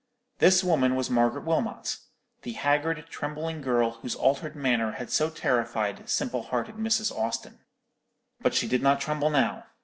This woman was Margaret Wilmot—the haggard, trembling girl whose altered manner had so terrified simple hearted Mrs. Austin. But she did not tremble now.